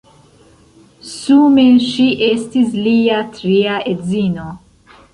Sume ŝi estis lia tria edzino.